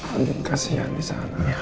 andien kasihan disana